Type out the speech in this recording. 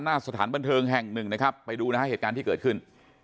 หน้าสถานบันเทิงแห่งหนึ่งนะครับไปดูนะฮะเหตุการณ์ที่เกิดขึ้น